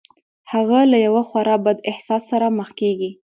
هغه له یوه خورا بد احساس سره مخ کېږي